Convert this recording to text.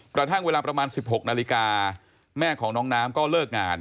กระทั่งเวลาประมาณ๑๖นาฬิกาแม่ของน้องน้ำก็เลิกงาน